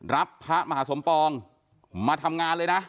พระมหาสมปองมาทำงานเลยนะ